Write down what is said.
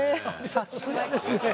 さすがですね。